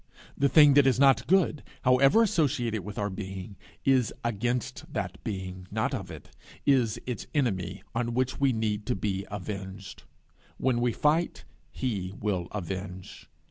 The thing that is not good, however associated with our being, is against that being, not of it is its enemy, on which we need to be avenged. When we fight, he will avenge.